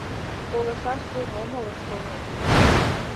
Колышаш еҥ омыл, шонем.